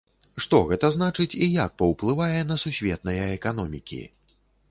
Што гэта значыць і як паўплывае на сусветныя эканомікі?